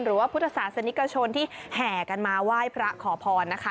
พุทธศาสนิกชนที่แห่กันมาไหว้พระขอพรนะคะ